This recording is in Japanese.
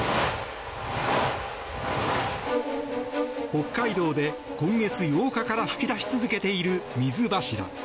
北海道で今月８日から噴き出し続けている水柱。